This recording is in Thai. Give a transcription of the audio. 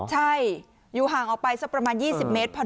ใช่อยู่ห่างออกไปสักประมาณ๒๐เมตร